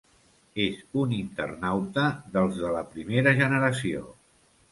És un internauta dels de la primera generació.